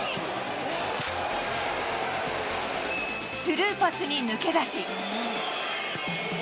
スルーパスに抜け出し。